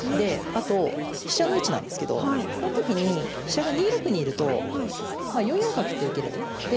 あと飛車の位置なんですけどこの時に飛車が２六にいると４四角って受ける手があって。